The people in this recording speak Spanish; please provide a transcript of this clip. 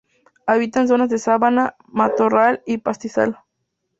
Habita en zonas de sabana, matorral y pastizal.